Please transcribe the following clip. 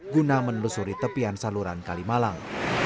guna menelusuri tepian saluran kalimalang